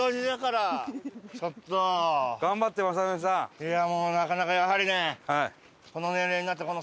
いやもうなかなかやはりね。